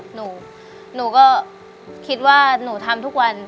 หนูหนูก็คิดว่าหนูทำทุกวัน